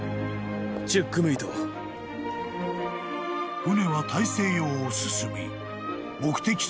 ［船は大西洋を進み目的地